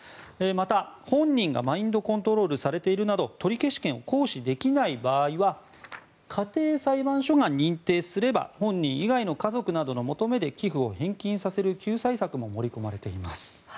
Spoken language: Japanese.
また本人がマインドコントロールされているなど取り消し権を行使できない場合は家庭裁判所が認定すれば本人以外の家族などの求めで寄付を返金させる救済策も盛り込まれています。